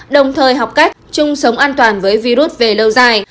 đồng thời học cách chung sống an toàn với virus về lâu dài